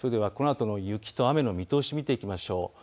このあとの雪と雨の見通しを見ていきましょう。